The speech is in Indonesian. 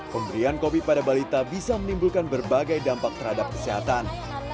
pemberian kopi pada balita bisa menimbulkan berbagai dampak terhadap kesehatan